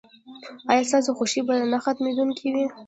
ایا ستاسو خوښي به نه ختمیدونکې وي؟